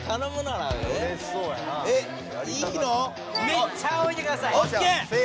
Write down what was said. めっちゃあおいでください！